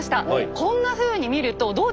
こんなふうに見るとどうです？